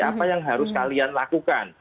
apa yang harus kalian lakukan